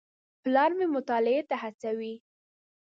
پلار مې مطالعې ته هڅوي.